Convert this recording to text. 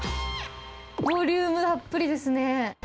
ボリュームたっぷりですね。